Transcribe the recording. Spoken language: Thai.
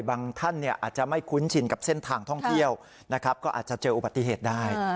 ท่านอาจจะไม่คุ้นชินกับเส้นทางท่องเที่ยวนะครับก็อาจจะเจออุบัติเหตุได้